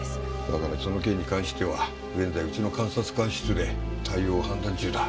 だからその件に関しては現在うちの監察官室で対応を判断中だ。